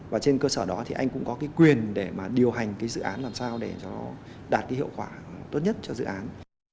và trên cơ sở đó thì anh cũng có cái quyền để mà điều hành cái dự án làm sao để nó đạt cái hiệu quả tốt nhất cho dự án